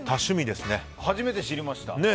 初めて知りました。